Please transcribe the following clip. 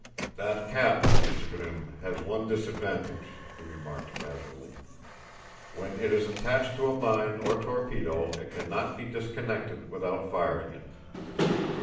"That cap, Mr. Grimm, has one disadvantage," he remarked casually. "When it is attached to a mine or torpedo it can not be disconnected without firing it.